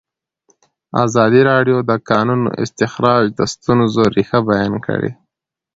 ازادي راډیو د د کانونو استخراج د ستونزو رېښه بیان کړې.